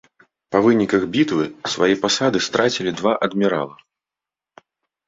Па выніках бітвы свае пасады страцілі два адмірала.